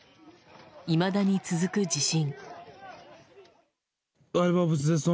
いまだに続く地震。